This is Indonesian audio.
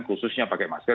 khususnya pakai masker